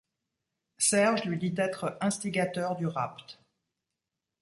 Serge lui dit être instigateur du rapt.